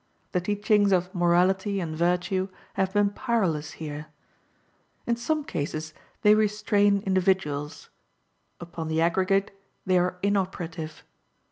The teachings of morality and virtue have been powerless here. In some cases they restrain individuals; upon the aggregate they are inoperative.